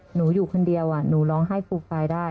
หนูอยู่คนเดียวหนูร้องไห้ฟูฟายได้